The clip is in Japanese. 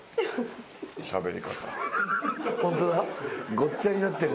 ごっちゃになってる。